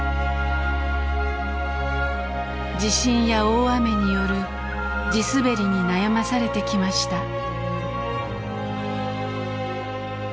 地震や大雨による地滑りに悩まされてきました。